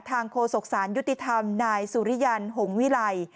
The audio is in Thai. ทางโคศกศาลยุติธรรมนายสุริยันทร์หงวิลัย